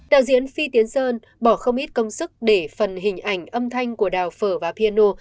đạo diễn phi tiến sơn bỏ không ít công sức để phần hình ảnh âm thanh của đào phở và piano